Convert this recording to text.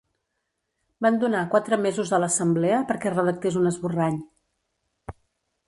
Van donar quatre mesos a l’assemblea perquè redactés un esborrany.